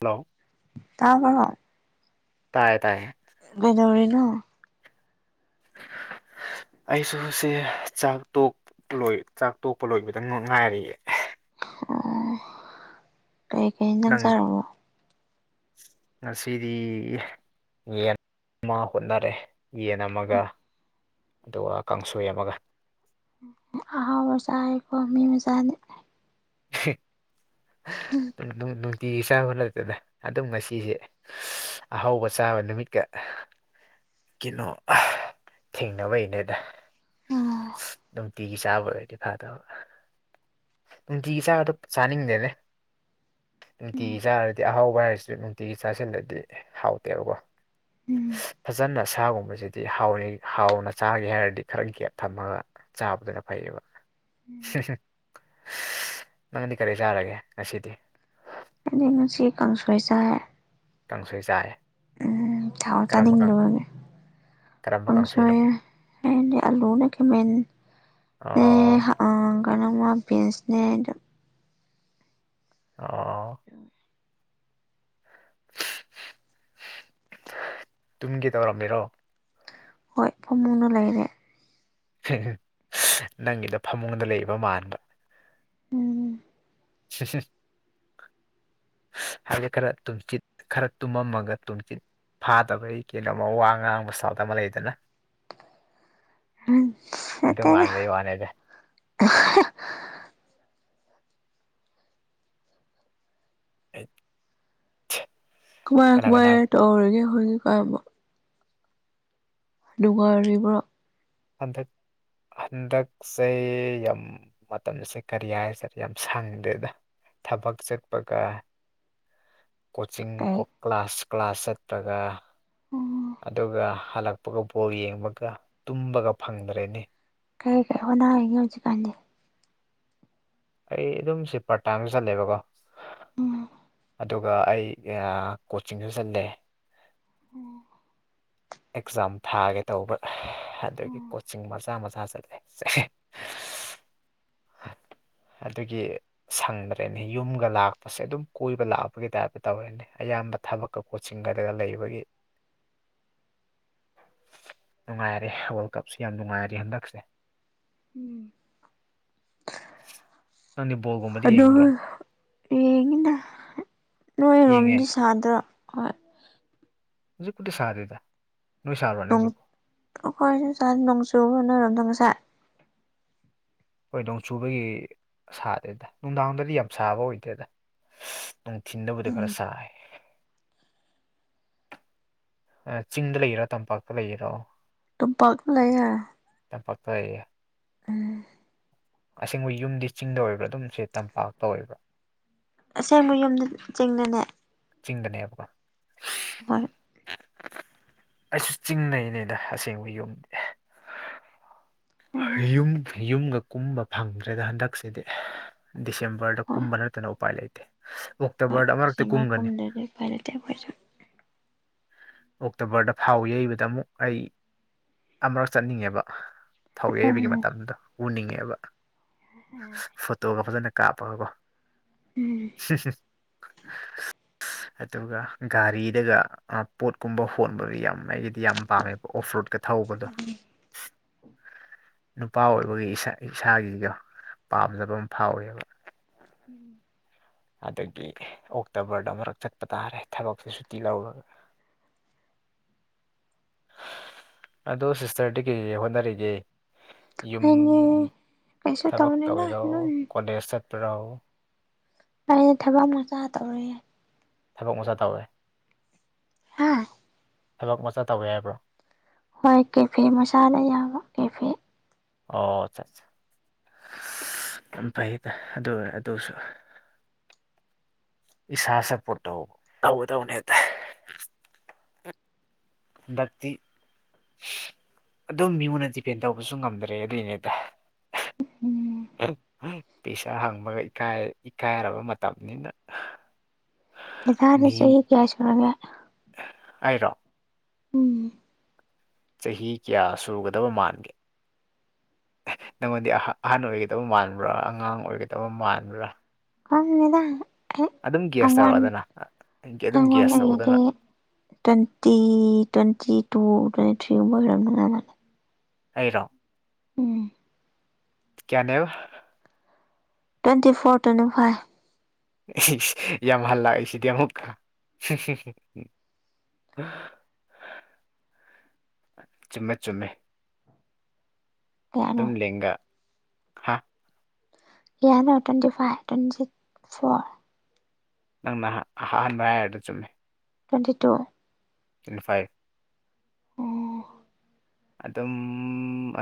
hello ꯇꯥꯕꯔꯣ ꯇꯥꯥꯏꯌꯦ ꯇꯥꯏꯌꯦ ꯒꯗꯧꯔꯤꯅꯣ [inaudible] ꯑꯩꯁꯨ ꯉꯁꯤ ꯆꯥꯛ ꯇꯣꯛ ꯂꯣꯏ ꯆꯥꯛ ꯇꯣꯛꯄ ꯂꯣꯏꯕꯗꯪꯃꯛ ꯉꯥꯏꯔꯤꯌꯦ ꯑꯣ ꯀꯩꯀꯩ ꯖꯥꯡ ꯅꯪ ꯆꯥꯔꯕꯣ ꯉꯁꯤꯗꯤ ꯌꯦꯟ ꯑꯃꯥ ꯍꯣꯠꯅꯔꯦ ꯌꯦꯟ ꯑꯃꯒꯥ ꯑꯗꯨꯒ ꯀꯥꯡꯁꯣꯏ ꯑꯃꯒꯥ ꯑꯍꯥꯎꯕ ꯆꯥꯔꯦꯀꯣ ꯃꯤ ꯃꯆꯥꯗꯤ [unintelligible] [unintelligible] ꯅꯨꯡ ꯅꯨꯡꯇꯤꯒꯤ ꯆꯥꯕ ꯅꯠꯇꯦꯗꯥ ꯑꯗꯨꯝ ꯉꯁꯤꯁꯦ ꯑꯍꯧꯕ ꯆꯥꯕ ꯅꯨꯃꯤꯠꯀ ꯀꯩꯅꯣ ꯑꯥꯥ ꯊꯦꯡꯅꯕꯩꯅꯦꯗ ꯑꯥ ꯅꯨꯡꯇꯤꯒꯤ ꯆꯥꯕ ꯑꯣꯏꯔꯗꯤ ꯐꯥꯗꯕ ꯅꯨꯡꯇꯤꯒꯤ ꯆꯥꯕꯗꯨ ꯆꯥꯅꯤꯡꯗꯦꯅꯦ ꯅꯨꯡꯇꯤꯒꯤ ꯆꯥꯔꯗꯤ ꯑꯍꯥꯎꯕ ꯍꯥꯏꯔꯁꯨ ꯅꯨꯡꯇꯤꯒꯤ ꯆꯥꯁꯤꯜꯂꯗꯤ ꯍꯥꯎꯇꯦꯕꯀꯣ ꯎꯝ ꯐꯖꯟꯅꯠ ꯁꯥꯒꯨꯝꯕꯁꯤꯗꯤ ꯍꯥꯎꯔꯦ ꯍꯥꯎꯅ ꯆꯥꯒꯦ ꯍꯥꯏꯔꯗꯤ ꯈꯔ ꯒꯦꯞ ꯊꯝꯃꯒ ꯆꯥꯕꯗꯨꯅ ꯐꯩꯌꯦꯕ ꯅꯪꯗꯤ ꯀꯔꯤ ꯆꯥꯔꯒꯦ ꯉꯁꯤꯗꯤ ꯑꯩꯗꯤ ꯉꯁꯤ ꯀꯥꯡꯁꯣꯏ ꯀꯥꯡꯁꯣꯏ ꯆꯥꯔꯦ ꯎꯝ ꯊꯥꯎ ꯆꯥꯅꯤꯡꯗꯕꯒꯤ ꯀꯔꯝꯕ ꯀꯥꯡꯁꯣꯏꯅꯣ ꯀꯥꯡꯁꯣꯏ ꯑꯩꯗꯤ ꯑꯂꯨꯅꯦ ꯈꯥꯏꯃꯦꯟ ꯅꯦ ꯑꯣ ꯑ ꯀꯅ [unintelligible] ꯄꯦꯟꯁꯅꯦ ꯑꯣ ꯇꯨꯝꯒꯦ ꯇꯧꯔꯝꯃꯤꯔꯣ ꯍꯣꯏ ꯐꯝꯃꯨꯡꯗ ꯂꯩꯔꯦ ꯅꯪꯒꯤꯗꯣ ꯐꯝꯃꯨꯡꯗ ꯂꯩꯕ ꯃꯥꯟꯕ ꯎꯝ [unintelligible] ꯍꯥꯏꯗꯤ ꯈꯔ ꯇꯨꯝꯆꯤꯠ ꯈꯔ ꯇꯨꯝꯃꯝꯃꯒ ꯇꯨꯝꯆꯤꯠ ꯐꯥꯗꯕꯩ ꯀꯩꯅꯣꯝꯃ ꯋꯥ ꯉꯥꯡꯕ ꯁꯥꯎꯠ ꯑꯃ ꯂꯩꯗꯅ ꯎꯝ [unintelligible] ꯑꯗꯨ ꯃꯥꯟꯕꯩ ꯋꯥꯅꯤꯗ ꯍꯩꯠ ꯀꯨꯃꯥꯏ ꯀꯅꯥ ꯀꯨꯃꯥꯏ ꯇꯧꯔꯤꯒꯦ ꯍꯣꯏꯖꯤꯛ ꯀꯟꯕꯣ ꯅꯨꯡꯉꯥꯢꯔꯤꯕꯔ꯭ ꯍꯟꯗꯛ ꯍꯟꯗꯛꯁꯦ ꯌꯥꯝ ꯃꯇꯝꯁꯦ ꯀꯔꯤ ꯍꯥꯏꯁꯔꯦ ꯌꯥꯝ ꯁꯪꯗꯦꯗ ꯊꯕꯛ ꯆꯠꯄꯒ [unintelligible] ꯀꯣꯆꯤꯡ ꯀꯩ ꯀꯣ ꯀ꯭ꯂꯥꯁ ꯀ꯭ꯂꯥꯁ ꯆꯠꯄꯒ ꯎꯝ ꯑꯗꯨꯒ ꯍꯜꯂꯛꯄꯒ ꯕꯣ ꯌꯦꯡꯉꯒ ꯇꯨꯝꯕꯒ ꯐꯪꯗ꯭ꯔꯦꯅꯤ ꯀꯩ ꯀꯩ ꯍꯅ ꯍꯥꯏꯒꯦ ꯍꯧꯖꯤꯛꯀꯥꯟꯗꯤ ꯑꯩ ꯑꯗꯨꯝꯁꯦ ꯄ꯭ꯔꯇꯥꯟꯗ ꯆꯠꯂꯦꯕꯀꯣ ꯎꯝ ꯑꯗꯨꯒ ꯑꯩ ꯀꯣꯆꯤꯡꯁꯨ ꯆꯠꯂꯦ ꯑꯦꯛꯖꯥꯝ ꯊꯥꯒꯦ ꯇꯧꯕ꯭ꯔꯥ ꯑꯗꯨꯗꯒꯤ ꯀꯣꯆꯤꯡ ꯃꯆꯥ ꯃꯆꯥ ꯆꯠꯂꯦ [unintelligible] ꯑꯗꯨꯒꯤ ꯁꯪꯗ꯭ꯔꯦꯅꯤ ꯌꯨꯝꯒ ꯂꯥꯛꯄꯁꯦ ꯑꯗꯨꯝ ꯀꯣꯏꯕ ꯂꯥꯛꯄꯒꯤ ꯇꯥꯏꯞꯇ ꯇꯧꯔꯦꯅꯦ ꯑꯌꯥꯝꯕ ꯊꯕꯛꯀ ꯀꯣꯆꯤꯡꯒꯗꯒ ꯂꯩꯕꯒꯤ ꯅꯨꯡꯉꯥꯏꯔꯦ ꯋꯥꯔꯜ ꯀꯞꯁꯨ ꯌꯥꯝ ꯅꯨꯡꯉꯥꯏꯔꯦ ꯍꯟꯗꯛꯁꯦ ꯎꯝ ꯉꯅꯤꯕꯨꯕꯨꯝ ꯑꯗꯨ ꯌꯦꯡꯉꯗ ꯌꯦꯡꯉꯦ ꯅꯣꯏꯔꯣꯝꯗꯤ ꯁꯥꯗ꯭ꯔꯣ ꯍꯣꯏ ꯖꯨꯛꯨꯗꯤ ꯁꯥꯔꯦꯗ ꯅꯣꯏꯏ ꯁꯥꯥꯔꯣ ꯅꯣꯡ ꯍꯧꯖꯛꯣ ꯑꯩꯈꯣꯏꯁꯨ ꯆꯥ ꯅꯣꯡꯆꯨ ꯅꯔꯣꯝꯗꯪ ꯉꯁꯥꯏ ꯍꯣꯏ ꯅꯣꯡꯆꯨꯕꯒꯤ ꯁꯥꯗꯦꯗ ꯅꯨꯡꯗꯥꯡꯗꯗꯤ ꯌꯥꯝ ꯁꯥꯕ ꯑꯣꯏꯗꯦꯗ ꯅꯨꯡ ꯊꯤꯟꯕꯨꯗꯤ ꯈꯔ ꯎꯝ ꯁꯥꯏ ꯆꯤꯡꯗ ꯂꯩꯒꯦꯔꯥ ꯇꯝꯄꯥꯛꯇ ꯂꯩꯒꯦꯔꯣ ꯇꯝꯄꯥꯛꯥꯛ ꯂꯩꯦ ꯇꯝꯄꯥꯛꯛꯛꯇ ꯑꯣꯏꯌꯦꯦ ꯑ ꯑꯁꯦꯡꯕ ꯌꯨꯝꯗꯤ ꯆꯤꯡꯗ ꯑꯣꯏꯕ꯭ꯔꯥ ꯑꯗꯨꯝ ꯁꯤꯦ ꯇꯝꯄꯥꯛꯇ ꯑꯣꯏꯕ꯭ꯔꯥ ꯑꯁꯦꯡꯕ ꯌꯨꯝꯗ ꯆꯤꯡꯅꯅꯦ ꯆꯤꯡꯗꯅꯦꯕꯀꯣ ꯍꯣꯏ ꯑꯩꯁꯨ ꯆꯤꯡꯗꯩꯅꯦꯗ ꯑꯁꯦꯡꯕ ꯌꯨꯝꯗꯤ ꯎꯝ ꯌꯨꯝ ꯌꯨꯝꯒ ꯀꯨꯝꯕ ꯐꯪꯗ꯭ꯔꯦꯗ ꯍꯟꯗꯛꯁꯤꯗꯤ ꯗꯤꯁꯦꯝꯕꯔꯗ ꯍꯣꯏ ꯀꯨꯝꯕ ꯅꯠꯇꯅ ꯎꯄꯥꯏ ꯂꯩꯇꯦ ꯍꯣꯏ ꯑꯣꯛꯇꯣꯕꯔꯗ ꯑꯃꯛꯇꯤ ꯗꯤꯁꯦꯝꯕꯔ ꯀꯨꯝꯒꯅꯤ ꯀꯨꯝꯗ꯭ꯔꯗꯤ ꯎꯄꯥꯏ ꯂꯩꯇꯦ ꯑꯈꫭꯏꯁꯨ ꯑꯣꯛꯇꯣꯕꯔꯗ ꯐꯥꯎ ꯌꯩꯕꯗ ꯑꯃꯨꯛ ꯑꯩ ꯑꯃꯨꯔꯛ ꯆꯠꯅꯤꯡꯉꯦꯕ ꯐꯧ ꯌꯩꯕꯒꯤ ꯎꯝ ꯃꯇꯝꯗꯣ ꯎꯅꯤꯡꯉꯦꯕ ꯎꯝ ꯐꯣꯇꯣꯒ ꯐꯖꯅ ꯀꯥꯞꯄꯒꯀꯣ ꯎꯝ ꯑꯗꯨꯒ ꯒꯥꯔꯤꯗꯒ ꯄꯣꯠꯀꯨꯝꯕ ꯍꯣꯟꯕꯗꯨ ꯌꯥꯝ ꯑꯩꯒꯤꯗꯤ ꯌꯥꯝ ꯄꯥꯝꯃꯦꯕ ꯑꯣꯐ ꯔꯣꯗꯀ ꯊꯧꯕꯗꯣ ꯅꯨꯄꯥ ꯑꯣꯏꯕꯒꯤ ꯏꯁꯥꯒꯤꯗꯣ ꯄꯥꯝꯖꯕ ꯑꯃ ꯐꯥꯎꯋꯦꯕ ꯎꯝ ꯑꯗꯒꯤ ꯑꯣꯛꯇꯣꯕꯔꯗ ꯑꯃꯔꯛ ꯆꯠꯄ ꯇꯥꯔꯦ ꯊꯕꯛꯁꯦ ꯁꯨꯇꯤ ꯂꯧꯔꯒ ꯑꯗꫭ ꯁꯤꯁꯇꯔꯗꯤ ꯀꯩꯀꯩ ꯍꯣꯠꯅꯔꯤꯒꯦ ꯌꯨꯝ ꯑꯩꯗꯤ ꯀꯩꯁꯨ ꯊꯕꯛ ꯇꯧꯗꯦꯗ ꯇꯧꯔꯤꯔꯣ ꯑꯗꯨꯝ ꯀꯣꯂꯦꯖꯁ ꯆꯠꯄꯔꯣ ꯑꯩꯗꯤ ꯊꯕꯛ ꯃꯆꯥ ꯇꯧꯔꯤꯌ‌ꯦ ꯊꯕꯛ ꯃꯆꯥ ꯇꯧꯋꯦ ꯍꯥꯥ ꯊꯕꯛ ꯃꯆꯥ ꯇꯧꯋ‌ꯦ ꯍꯥꯏꯕ꯭ꯔꯣ ꯍꯣꯏ ꯀꯦꯐ‌ꯦ ꯃꯆꯥꯗ ꯌꯥꯎꯕ ꯀꯦꯐ‌ꯦ ꯑꯣ ꯑꯠꯆꯥꯆꯥ ꯌꯥꯝ ꯐꯩꯌ‌ꯦꯗ ꯑꯗꯨ ꯑꯗꯨꯁꯨ ꯏꯁꯥ ꯁꯄꫭꯔꯠꯇꯧ ꯇꯧꯒꯗꯕꯅ‌ꯦꯅꯦ ꯍ‌ꯦꯛꯇ ꯍꯟꯗꯛꯇꯤ ꯑꯗꯨꯝ ꯃꯤꯉꯣꯟꯗ ꯗꯤꯄꯦꯟ ꯇꯧꯕꯁꯨ ꯉꯝꯗ꯭ꯔꯦ ꯑꯗꯨꯏꯅꯦꯗ ꯎꯝ ꯄꯤꯁꯥ ꯍꯪꯕꯒ ꯏꯀꯥꯏ ꯏꯀꯥꯏꯔꯕ ꯃꯇꯝꯅꯤꯅ ꯗꯗꯥꯥꯗꯤ ꯆꯍꯤ ꯀꯌꯥꯁꯨꯔꯒꯦ ꯏꯩꯔꫭ ꯎꯝ ꯆꯍꯤ ꯀꯌꯥ ꯁꯨꯒꯗꯕ ꯃꯥꯟꯒꯦ ꯅꯪꯉꯣꯟꯗꯤ ꯑꯍꯟ ꯑꯣꯏꯒꯗꯕ ꯃꯥꯟꯕ꯭ꯔꯥ ꯑꯉꯥꯡ ꯑꯣꯏꯒꯗꯕ ꯃꯥꯟꯕ꯭ꯔꯥ ꯈꯪꯗ‌ꯦꯗꯥ ꯑꯗꯨꯝ ꯒ꯭ꯌꯥꯁ ꯍꯉꯣꯟ ꯇꯧꯔꯛꯑꯣꯗꯅ ꯑꯗꯨꯝ ꯑꯩꯉꯣꯟ [unintelligible] ꯒ꯭ꯌꯥꯁ ꯂꯩꯉꯗꯤ ꯇꯧꯑꯣꯗꯅ ꯇ꯭ꯋꯦꯟꯇꯤ ꯇ꯭ꯋꯦꯟꯇꯤ ꯇꯨ ꯇ꯭ꯋꯦꯟꯇꯤ ꯊ꯭ꯔꯤꯒꯨꯝꯕ ꯑꯣꯏꯔꯝꯗ ꯃꯥꯜꯂ‌ꯦ ꯑꯩꯔꯣ ꯎꯝ ꯀꯌꯥꯅꯦꯕ ꯇ꯭ꯋꯦꯟꯇꯤ ꯐꯣꯔ ꯇꯨ꯭ꯋ‌ꯦꯟꯇꯤ ꯐꯥꯏꯚ ꯌꯥꯝ ꯍꯜꯂꯥꯛꯏꯁꯤꯗꯤ ꯑꯃꯨꯛꯀꯥ ꯆꯨꯝꯃꯦ ꯆꯨꯝꯃꯦ ꯀꯌꯥꯅꯣ ꯑꯗꯨꯝ ꯂꯦꯡꯒ ꯍꯥ ꯀꯌꯥꯅꯣ ꯇ꯭ꯋꯦꯟꯇꯤ ꯐꯥꯏꯚ ꯇ꯭ꯋꯦꯟꯇꯤ ꯐꯣꯔ ꯅꯪꯅ ꯑꯍꯥꯟꯕ ꯍꯥꯏꯔꯤꯗꫭ ꯆꯨꯝꯃꯦ ꯇ꯭ꯋꯦꯟꯇꯤ ꯇꯨ ꯇ꯭ꯋ‌ꯦꯟꯇꯤ ꯐꯥꯏꯚ ꯑꫭ ꯑꯗꯨꯝ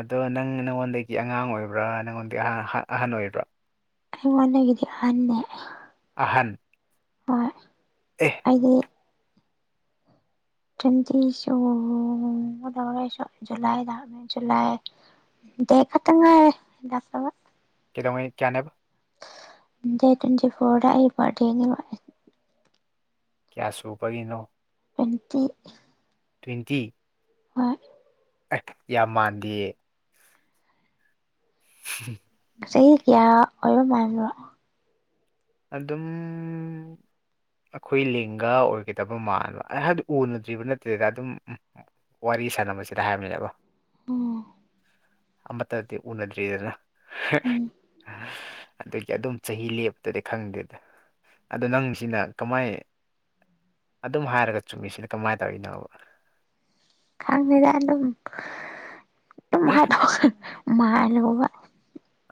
ꯑꯗꯣ ꯅꯪ ꯅꯪꯉꯣꯟꯗꯒꯤ ꯑꯉꯥꯡ ꯑꯣꯏꯕ꯭ꯔꯥ ꯅꯪꯉꯣꯟꯗꯒꯤꯍ ꯑꯍꯟ ꯑꯣꯏꯕ꯭ꯔꯥ ꯑꯩꯉꯣꯟꯗꯒꯤꯗꯤ ꯑꯍꯟꯅꯦ ꯑꯍꯟ ꯍꯣꯏ ꯑꯦ ꯑꯩꯗꯤ ꯇ꯭ꯋ‌ꯦꯟꯇꯤꯁ ꯑꯣ [unintelligible] ꯖꯨꯂꯥꯏꯗ ꯖꯨꯜꯂꯥꯏ ꯗ‌ꯦ ꯈꯠꯇꯪꯉꯥꯏꯔ‌ꯦ [unintelligible] ꯀꯩꯗꯧꯉꯩ ꯀꯌꯥꯅꯦꯕ ꯗ‌ꯦꯠ ꯇ꯭ꯋꯦꯟꯇꯤ ꯐꯣꯔꯗ ꯑꯩ ꯕꯥ꯭ꯔꯠ ꯗ‌ꯦꯅ‌ꯦꯕ ꯀꯌꯥ ꯁꯨꯕꯒꯤꯅꯣ ꯇ꯭ꯋ‌ꯦꯟꯇꯤ ꯇ꯭ꯋꯦꯟꯇꯤ ꯍꯣꯏ ꯑꯥ ꯌꯥꯝ ꯃꯥꯟꯗꯦꯌꯦ [unintelligible] ꯆꯍꯤ ꯀꯌꯥ ꯑꯣꯏꯕ ꯃꯥꯟꯕꯅꯣ ꯑꯗꯨꯝ ꯑꯩꯈꯣꯏ ꯂꯤꯡꯒ ꯑꯣꯏꯒꯗꯕ ꯃꯥꯟꯕ ꯑꯩ ꯍꯥꯏꯗꯤ ꯎꯅꯗ꯭ꯔꯤꯕ ꯅꯠꯇꯦꯗ ꯑꯗꯨꯝ ꯎꯝ ꯋꯥꯔꯤ ꯁꯥꯟꯅꯕꯁꯤꯗ ꯍꯥꯏꯕꯅꯤꯗꯀ‌ꯣ ꯎꯝ ꯑꯃꯠꯇꯗꯤ ꯎꯅꯗ꯭ꯔꯤꯗꯅ ꯎꯝ ꯑꯗꯨꯒꯤ ꯑꯗꯨꯝ ꯆꯍꯤ ꯂꯦꯞ ꯇꯗꯤ ꯈꯪꯗꯦꯗ ꯑꯗꯣ ꯅꯪꯁꯤꯅ ꯀꯃꯥꯏ ꯑꯗꯨꯝ ꯍꯥꯏꯔꯒ ꯆꯨꯝꯃꯤꯁꯤꯅ ꯀꯃꯥꯏ ꯇꯧꯔꯤꯅꯣꯕ ꯈꯪꯗ‌ꯦꯗ ꯑꯗꯨꯝ ꯗꯨꯝ ꯍꯥꯏꯗ‌ꯣꯛꯑ ꯃꯥꯥꯜꯂꯨꯕ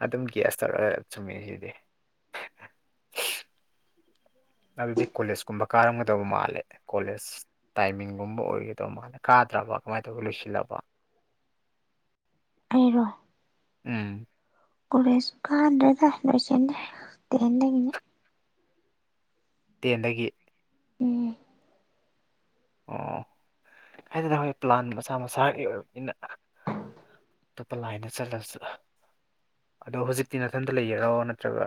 ꯑꯗꯨꯝ ꯒꯦꯁ ꯇꯧꯔꯒ ꯆꯨꯝꯃꯤꯁꯤꯗꯤ [inaudible] ꯑꯗꯨꯗꯤ ꯀꯣꯂꯦꯖ ꯀꯨꯝꯕ ꯀꯥꯔꯝꯒꯗꯧꯕ ꯃꯥꯜꯂꯦ ꯀꯣꯂꯦꯖ ꯇꯥꯏꯃꯤꯡꯒꯨꯝꯕ ꯑꯣꯏꯒꯗꯪ ꯃꯥꯜꯂ‌ꯦ ꯀꯥꯗ꯭ꯔꯕ ꯀꯃꯥꯏ ꯇꯧꯒ ꯂꯣꯏꯁꯤꯜꯂꯕ‌ꯣ ꯑꯩꯔꯣ ꯎꯝ ꯀ‌ꯣꯂ‌ꯦꯖ ꯀꯥꯗ꯭ꯔ‌ꯦꯗ ꯂꯣꯏꯁꯤꯟꯂ‌ꯦ ꯇꯦꯟꯗꯒꯤꯅꯦ ꯇꯦꯟꯗꯒꯤ ꯎꯝ ꯑꯣ ꯍꯥꯏꯗꯤ ꯅꯍꯣꯏ ꯄ꯭ꯂꯥꯟ ꯃꯁꯥ ꯃꯁꯥꯒꯤ ꯑꯣꯏꯕꯅꯤꯅ ꯑꯇꯣꯞꯄ ꯂꯥꯏꯟꯗ ꯆꯠꯂꯁꯨ ꯑꯗꯣ ꯍꯧꯖꯤꯛꯇꯤ ꯅꯥꯊꯟꯇ ꯂꯩꯔꯤꯔꯣ ꯅꯠꯇ꯭ꯔꯒ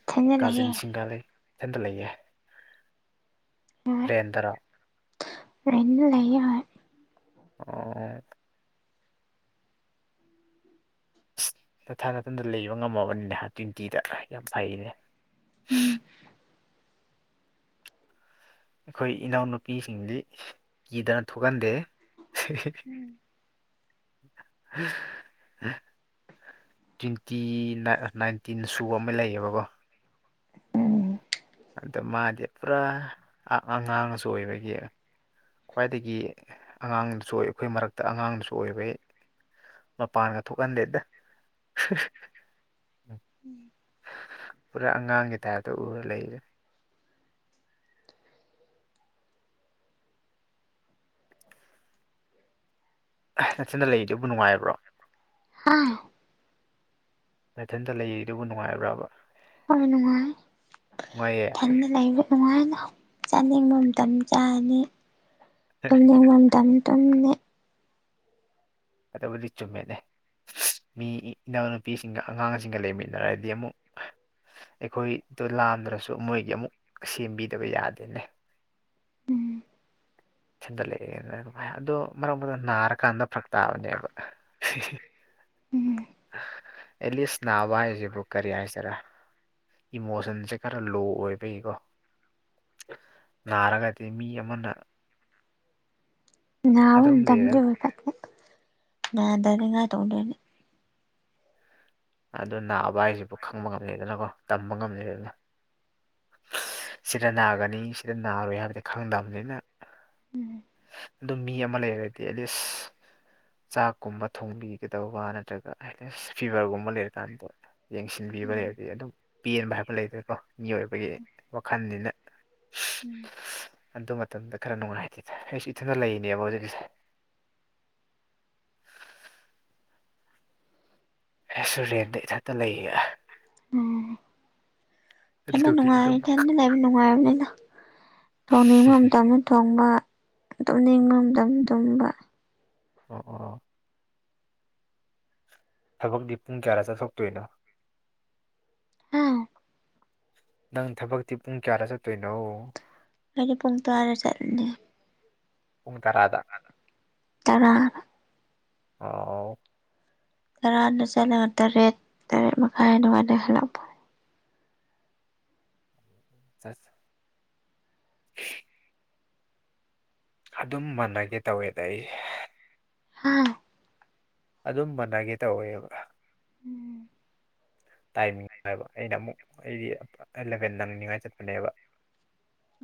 ꯏꯊꯟꯗ ꯀꯥꯖꯤꯟ ꯂꯩꯌꯦ ꯁꯤꯡꯒꯥ ꯂꯩ ꯏꯊꯟꯇ ꯂꯩꯌꯦ ꯍ‌ꯣꯏ ꯔꯦꯟꯗꯔ ꯂꯩꯅꯤꯡꯉ ꯂꯩꯌ‌ꯣ ꯍ‌ꯣꯏ ꯑꯣ ꯑꯁ ꯅꯊꯥꯟꯗ ꯅꯊꯟꯗ ꯂꯩꯕ ꯉꯝꯃꯕꯅꯤꯅꯦ ꯇ꯭ꯋꯦꯟꯇꯤꯗ ꯌꯥꯝ ꯐꯩꯅꯦ ꯎꯝ ꯑꯩꯈꯣꯏ ꯏꯅꯥꯎꯅꯨꯄꯤꯁꯤꯡꯗꯤ ꯀꯤꯗꯅ ꯊꯣꯛꯍꯟꯗꯦꯍ‌ꯦ ꯎꯝ [unintelligible] ꯇ꯭ꯋꯦꯟꯇꯤ ꯅꯥꯏꯟꯇꯤꯟ ꯁꯨꯕ ꯑꯃ ꯂꯩꯌꯦꯕꯀꯣ ꯎꯝ ꯑꯗꯣ ꯃꯥꯗꯤ ꯄꯨꯔꯥ ꯑꯉꯥꯡꯉꯁꯨ ꯑꯣꯏꯕꯒꯤ ꯈ꯭ꯋꯥꯏꯗꯒꯤ ꯑꯉꯥꯡꯁꯨ ꯑꯩꯈꯣꯏ ꯃꯔꯛꯇ ꯑꯉꯥꯡꯗꯁꯨ ꯑꯣꯏꯕꯩ ꯃꯄꯥꯟꯒ ꯊꯣꯛꯍꯟꯗꯦꯗ ꯎꯝ ꯄꯨꯔꯥ ꯑꯉꯥꯡꯒꯤ ꯇꯥꯏꯞꯇ ꯎꯔ ꯂꯩꯔꯦ ꯅꯊꯟꯗ ꯂꯩꯔꯤꯗꯨꯕꯨ ꯅꯨꯡꯉꯥꯏꯕ꯭ꯔꯣ ꯍꯥ ꯅꯊꯟꯇ ꯂꯩꯔꯤꯗꯨꯕꯨ ꯅꯨꯡꯉꯥꯏꯕ꯭ꯔꯕ ꯍꯣꯏ ꯅꯨꯡꯉꯥꯏ ꯅꯨꯡꯉꯥꯏꯌꯦ ꯊꯟꯗ ꯂꯩꯕ ꯅꯨꯡꯉꯥꯏꯗ ꯆꯥꯅꯤꯡꯕ ꯃꯇꯝꯗ ꯆꯥꯅꯤ ꯇꯨꯝꯅꯤꯡ ꯃꯇꯝꯗ ꯇꯨꯝꯅꯤ ꯑꯗꯕꯨꯗꯤ ꯆꯨꯝꯃꯦꯅꯦ ꯃꯤ ꯏꯅꯥꯎꯅꯨꯄꯤꯁꯤꯡꯒ ꯑꯉꯥꯡꯁꯤꯡꯒ ꯂꯩꯃꯤꯟꯅꯔꯗꯤ ꯑꯃꯨꯛ ꯑꯩꯈꯣꯏꯗꯣ ꯂꯥꯝꯗ꯭ꯔꯁꯨ ꯃꯣꯏꯒꯤ ꯑꯃꯨꯛ ꯁꯦꯝꯕꯤꯗꯕ ꯌꯥꯗꯦꯅꯦ ꯎꯝ ꯑꯗꯣ ꯃꯔꯛ ꯃꯔꯗ ꯅꯥꯔꯀꯥꯟꯗ ꯐꯔꯛ ꯇꯥꯕꯅꯦꯕ ꯍ ꯎꯝ ꯑꯦꯠꯂꯤꯁ ꯅꯥꯕ ꯍꯥꯏꯁꯤꯕꯨ ꯀꯔꯤ ꯍꯥꯏꯁꯤꯔꯥ ꯏꯃꯣꯁꯟꯁꯦ ꯈꯔ ꯂꯣ ꯑꯣꯏꯕꯒꯤꯀꯣ ꯅꯥꯔꯒꯗꯤ ꯃꯤ ꯑꯃꯅ ꯑꯗꯨꯝ ꯂꯩꯔ ꯅꯥꯗꯅꯤꯉꯥꯏ ꯇꯧꯗꯣꯏꯅꯦ ꯑꯗꯨ ꯅꯥꯕ ꯍꯥꯏꯁꯤꯕꯨ ꯈꯪꯕ ꯉꯝꯗꯦꯗꯅꯀꯣ ꯇꯝꯕ ꯉꯝꯗꯦꯗꯅ ꯁꯤꯗ ꯅꯥꯒꯅꯤ ꯁꯤꯗ ꯅꯥꯔꯣꯏ ꯍꯥꯏꯕꯗꯤ ꯈꯪꯗꯕꯅꯤꯅ ꯎꯝ ꯑꯗꯨ ꯃꯤ ꯑꯃ ꯂꯩꯔꯗꯤ ꯑꯦꯠꯂꯤꯁ ꯆꯥꯛꯀꯨꯝꯕ ꯊꯣꯡꯕꯤꯒꯗꯧꯕ ꯅꯠꯇ꯭ꯔꯒ ꯍꯥꯏꯗꯤ ꯐꯤꯕꯔꯒꯨꯝꯕ ꯂꯩꯔꯀꯥꯟꯗ ꯌꯦꯡꯁꯤꯟꯕꯤꯕ ꯎꯝ ꯂꯩꯔꯗꯤ ꯑꯗꯨꯝ ꯄꯦꯟꯕ ꯍꯥꯏꯕ ꯂꯩꯗꯅꯀꯣ ꯃꯤꯑꯣꯏꯕꯒꯤ ꯋꯥꯈꯜꯅꯤꯅ ꯑꯗꯨ ꯃꯇꯝꯗ ꯈꯔ ꯅꯨꯡꯉꯥꯏꯇꯦ ꯑꯩꯁꯨ ꯏꯊꯟꯗ ꯂꯩꯔꯤꯅꯦꯕ ꯍꯧꯖꯤꯛꯀꯤꯁꯦ ꯑꯩꯁꯨ ꯔꯦꯟꯗ ꯏꯊꯛꯇ ꯂꯩꯌꯦ ꯎꯝ ꯑꯗꯨꯒꯤ ꯑꯗꯨꯝ ꯏꯊꯟꯇꯥ ꯂꯩꯕ ꯅꯨꯡꯉꯥꯏꯕꯅꯤꯗ ꯊꯣꯡꯅꯤꯡꯕ ꯃꯇꯝꯗ ꯊꯣꯡꯕ ꯇꯨꯝꯅꯤꯡꯕ ꯃꯇꯝ ꯇꯨꯝꯕ ꯑꯣ ꯑꯣ ꯊꯕꯛꯇꯨ ꯄꯨꯡ ꯀꯌꯥꯗ ꯆꯠꯊꯣꯛꯇꯣꯏꯅꯣ ꯍꯝ ꯅꯪ ꯊꯕꯛꯇꯤ ꯄꯨꯡ ꯀꯌꯥꯗ ꯆꯠꯇꯣꯏꯅꯣ ꯑꯩꯗꯤ ꯄꯨꯡ ꯇꯔꯥꯗ ꯆꯠꯂꯅꯦ ꯄꯨꯡ ꯇꯔꯥꯗ ꯇꯔꯥ ꯑꯣ ꯇꯔꯥꯗ ꯆꯠꯂꯒ ꯇꯔꯦꯠ ꯇꯔꯦꯠ ꯃꯈꯥꯏ ꯑꯗꯨꯃꯥꯏꯅꯥ ꯍꯜꯂꯛꯄ ꯑꯠꯆ ꯎ [unintelligible] ꯑꯗꯨꯝ ꯃꯥꯟꯅꯒꯦ ꯇꯧꯋꯦꯗ ꯑꯩ ꯍꯥꯥ ꯑꯗꯨꯝ ꯃꯥꯅꯒꯦ ꯇꯧꯋꯦꯕ ꯇꯥꯏꯃꯤꯡ ꯍꯥꯏꯕ ꯑꯩꯅ ꯑꯃꯨꯛ ꯑꯩꯗꯤ ꯑꯦꯂꯚꯦꯟ ꯅꯪꯅꯤꯡꯉꯥꯏ ꯆꯠꯄꯅꯦꯕ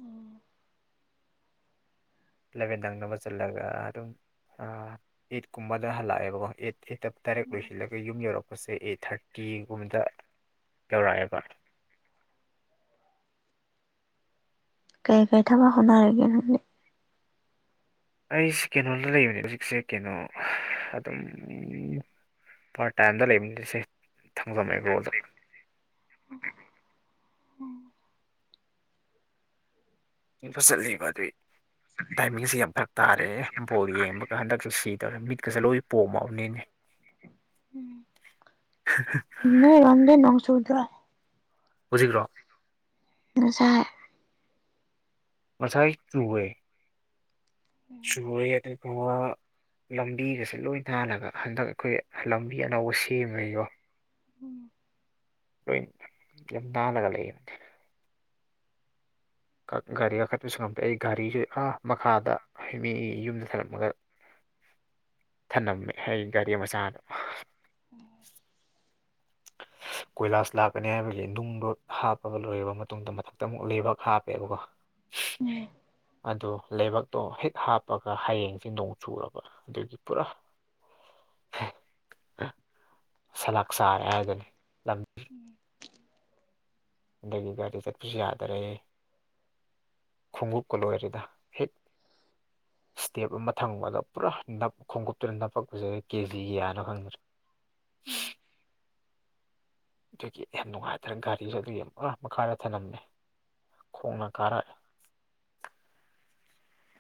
ꯑꯣ ꯑꯦꯂꯚꯦꯟ ꯅꯪꯅꯕ ꯆꯠꯂꯒ ꯑꯗꯨꯝ ꯑꯥ ꯑꯩꯠ ꯀꯨꯝꯕꯗ ꯍꯜꯂꯛꯑꯦꯕꯀꯣ ꯑꯩꯠ ꯑꯩꯠꯇ ꯗꯥꯏꯔꯦꯛ ꯂꯣꯏꯁꯤꯜꯂꯒ ꯌꯨꯝ ꯌꯧꯔꯛꯄꯁꯦ ꯑꯩꯠ ꯊꯥꯔꯇꯤꯒꯨꯝꯕꯗ ꯌꯧꯔꯛꯑꯦꯕ ꯀꯩ ꯀꯩ ꯊꯕꯛ ꯍꯣꯠꯅꯔꯤꯒꯦ ꯅꯪꯗꯤ ꯑꯩꯁꯦ ꯀꯩꯅꯣꯗ ꯂꯩꯕꯅꯦ ꯍꯧꯖꯤꯛꯁꯦ ꯀꯩꯅꯣ ꯑꯗꯨꯝ ꯄꯥꯔ ꯇꯥꯏꯝꯗ ꯂꯩꯕꯅꯤꯁꯦ ꯊꯥꯡꯖꯝ ꯑꯦꯒ꯭ꯔꯣꯗꯔ ꯆꯠꯂꯤꯕꯣ ꯑꯗꯨꯗꯤ [unintelligible] ꯇꯥꯏꯃꯤꯡꯁꯦ ꯌꯥꯝ ꯐꯔꯛ ꯇꯥꯔꯦ ꯕꯣꯜ ꯌꯦꯡꯕꯒ ꯍꯟꯗꯛꯁꯨ ꯁꯤꯗꯧꯔꯦ ꯃꯤꯠꯀꯁꯦ ꯂꯣꯏ ꯄꯣꯝꯃꯕꯅꯤꯅꯦ [inaudible] [inaudible] [unintelligible] ꯅꯣꯏꯔꯣꯝꯗꯤ ꯅꯣꯡ ꯆꯨꯗ꯭ꯔꯣ ꯍꯧꯖꯤꯛꯂꯣ ꯉꯁꯥꯏ ꯉꯁꯥꯏ ꯆꯨꯏꯌꯦ ꯆꯨꯢꯌꯦ ꯑꯗꯨꯒ ꯂꯝꯕꯤꯒꯁꯦ ꯂꯣꯏ ꯅꯥꯜꯂꯒ ꯍꯟꯗꯛ ꯑꯩꯈꯣꯏ ꯂꯝꯕꯤ ꯑꯅꯧꯕ ꯁꯦꯝꯃꯦꯀꯣ ꯎꯝ ꯂꯣꯏ ꯌꯥꯝ ꯅꯥꯜꯂꯒ ꯂꯩꯌꯦ ꯒꯥꯔꯤ ꯀꯥꯈꯠꯄꯁꯨ ꯉꯝꯗꯦ ꯑꯩ ꯒꯥꯔꯤꯁꯨ ꯑ ꯃꯈꯥꯗ ꯃꯤ ꯌꯨꯝꯗ ꯊꯔꯂꯝꯃꯒ [unintelligible] ꯊꯜꯂꯝꯃꯦ ꯑꯩ ꯒꯥꯔꯤ ꯃꯆꯥꯗꯣ [unintelligible] ꯀꯣꯏꯂꯥꯁ ꯂꯥꯛꯀꯅꯤ ꯍꯥꯏꯕꯒꯤ ꯅꯨꯡꯗꯣ ꯍꯥꯞꯄꯒ ꯂꯣꯏꯔꯕ ꯃꯇꯨꯡꯗ ꯃꯊꯛꯇ ꯑꯃꯨꯛ ꯂꯩꯕꯥꯛ ꯍꯥꯞꯄꯦꯕꯀꯣ ꯎꯝ ꯑꯗꯨꯗꯣ ꯂꯩꯕꯛꯇꯣ ꯍꯤꯠ ꯍꯥꯞꯄꯒ ꯍꯌꯦꯡꯁꯦ ꯅꯣꯡ ꯆꯨꯔꯕ ꯑꯗꯨꯒꯤ ꯄꯨꯔꯥ ꯁꯂꯥꯛ ꯆꯥꯔꯦ ꯍꯥꯏꯗꯨꯅꯤ ꯎꯝ ꯑꯗꯒꯤ ꯒꯥꯔꯤ ꯆꯠꯄꯁꯨ ꯌꯥꯗꯔꯦ ꯈꯣꯡꯎꯨꯞꯀ ꯂꯣꯏꯔꯦꯗ ꯍꯦꯛ ꯏꯁꯇꯦꯞ ꯑꯃ ꯊꯝꯕꯗ ꯄꯨꯔꯥ ꯅꯞ ꯈꯣꯡꯎꯞꯇꯨꯗ ꯅꯞꯄꯛꯄꯁꯦ ꯀꯦꯖꯤ ꯌꯥꯅꯕ ꯈꯪꯗ꯭ꯔꯦ [inaudible] ꯑꯗꯨꯒꯤ ꯌꯥꯝꯟꯅ ꯅꯨꯡꯉꯥꯏꯇ꯭ꯔꯦ ꯒꯥꯔꯤꯁꯨꯦ ꯑꯗꯨꯒꯤꯨ ꯃꯈꯥꯗ ꯊꯝꯂꯝꯃꯦ ꯈꯣꯡꯅ ꯀꯥꯔꯛꯑꯦ